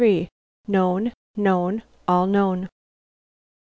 XXXIII. "KNOWN, KNOWN, ALL KNOWN."